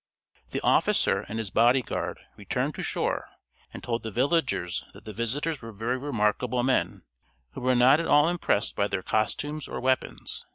The officer and his body guard returned to shore, and told the villagers that the visitors were very remarkable men, who were not at all impressed by their costumes or weapons.